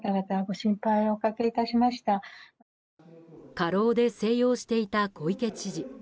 過労で静養していた小池知事。